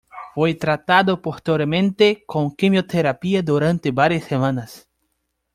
Fue tratado posteriormente con quimioterapia durante varias semanas.